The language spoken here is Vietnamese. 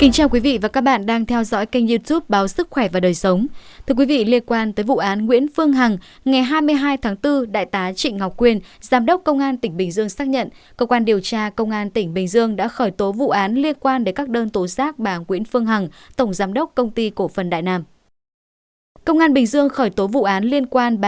các bạn hãy đăng ký kênh để ủng hộ kênh của chúng mình nhé